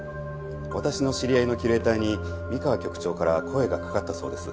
私の知り合いのキュレーターに三河局長から声がかかったそうです。